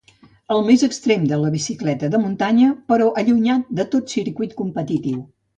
El més extrem de la bicicleta de muntanya, però allunyat de tot circuit competitiu.